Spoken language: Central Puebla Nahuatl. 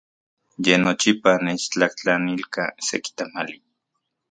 Ye nochipa nechtlajtlanilka seki tamali.